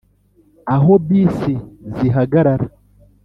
aho bisi zihagarara